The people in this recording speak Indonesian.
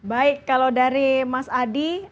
baik kalau dari mas adi